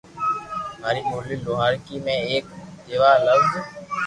ماري ٻولي لوھارڪي ۾ ايڪ جيوا لفظ